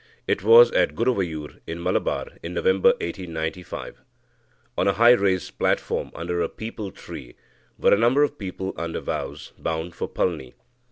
It was at Guruvayur (in Malabar) in November 1895. On a high raised platform under a peepul tree were a number of people under vows, bound for Palni.